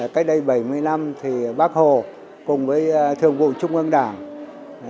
cách đây bảy mươi năm thì bác hồ cùng với thường vụ trung ương đảng